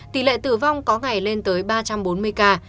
tỷ lệ tử vong có ngày lên tới ba trăm bốn mươi ca